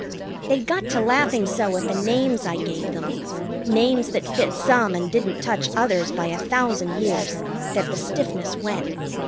They got to laughing so at the names I gave them names that fit some, and didn't touch others by a thousand years that the stiffness went.